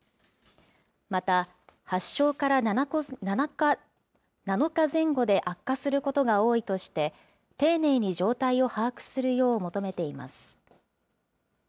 また発症から７日前後で悪化することが多いとして、丁寧に状態を把握するよう求めています。